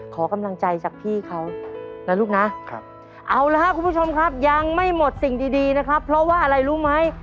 กำลังไม่หมดสิ่งดีนะครับเพราะว่าอะไรรู้ไหม